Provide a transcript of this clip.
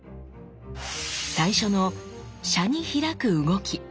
最初の「車に開く」動き。